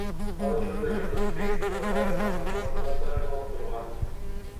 Ал учурда Жолдошбек Назаров анын орун басары болуп турган.